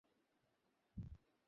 গুলি করে হত্যা করবে।